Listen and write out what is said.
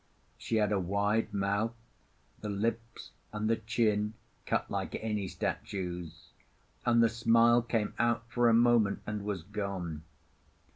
She had a wide mouth, the lips and the chin cut like any statue's; and the smile came out for a moment and was gone.